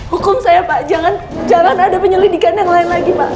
hukum saya pak jangan ada penyelidikan yang lain lagi pak